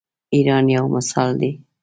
ایران یو مثال دی.